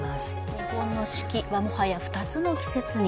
日本の四季はもはや２つの季節に。